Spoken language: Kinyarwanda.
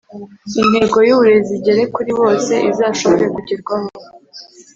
intego y'uburezi igere kuri bose izashobore kugerwaho